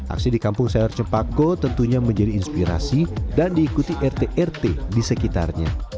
aksi di kampung sayur cempako tentunya menjadi inspirasi dan diikuti rt rt di sekitarnya